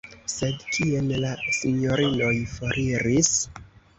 Sed kien la sinjorinoj foriris?